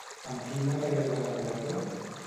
Amb quin material va elaborar-la?